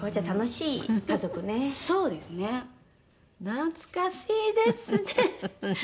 懐かしいですね！